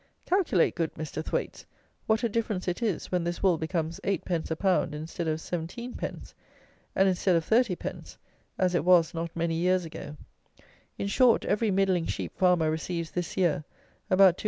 Calculate, good Mr. Thwaites, what a difference it is when this wool becomes 8_d._ a pound instead of 17_d._, and instead of 30_d._ as it was not many years ago! In short, every middling sheep farmer receives, this year, about 250_l.